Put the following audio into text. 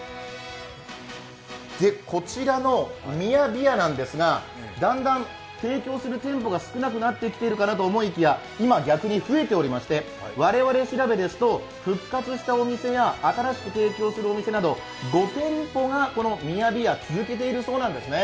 こちらのミヤビヤなんですが、だんだん提供する店舗が少なくなってきてるかなと思いきや今逆に増えておりまして我々調べですと復活したお店や新しく提供するお店など５店舗がこのミヤビヤ続けているそうなんですね。